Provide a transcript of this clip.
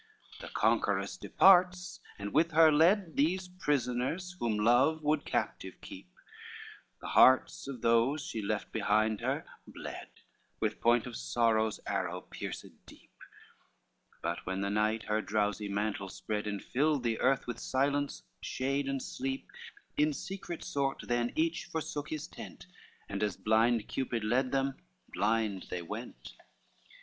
LXXIX The conqueress departs, and with her led These prisoners, whom love would captive keep, The hearts of those she left behind her bled, With point of sorrow's arrow pierced deep. But when the night her drowsy mantle spread, And filled the earth with silence, shade and sleep, In secret sort then each forsook his tent, And as blind Cupid led them blind they went.